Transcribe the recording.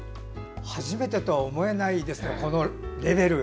初めてとは思えないレベル。